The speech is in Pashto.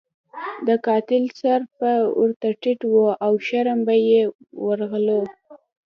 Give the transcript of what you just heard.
د قاتل سر به ورته ټیټ وو او شرم به یې ورغلو.